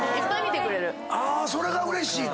それがうれしいの⁉